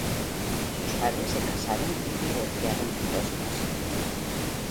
Sus padres se casaron y divorciaron en dos ocasiones.